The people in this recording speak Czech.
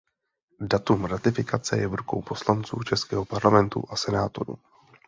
Datum ratifikace je v rukou poslanců českého parlamentu a senátorů.